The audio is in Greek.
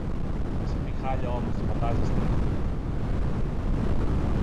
Σε τι χάλια όμως, το φαντάζεστε